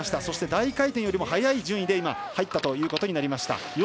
そして、大回転よりも早い順位で入ったということになりました。